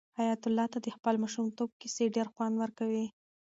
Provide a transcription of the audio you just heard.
حیات الله ته د خپل ماشومتوب کیسې ډېر خوند ورکوي.